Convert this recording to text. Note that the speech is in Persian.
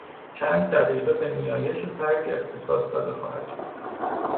چند دقیقه به نیایش فردی اختصاص داده خواهد شد.